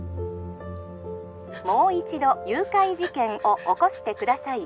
☎もう一度誘拐事件を起こしてください